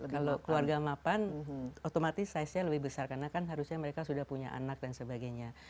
kalau keluarga mapan otomatis size nya lebih besar karena kan harusnya mereka sudah punya anak dan sebagainya